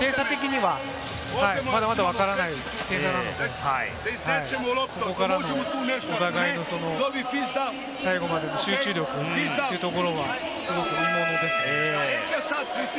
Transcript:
まだ点差的にはまだまだわからない点差なので、ここからのお互いの最後までの集中力というところは、すごく見ものですね。